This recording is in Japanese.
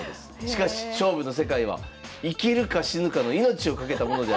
しかし勝負の世界は生きるか死ぬかの命を懸けたものであるべきなんだ。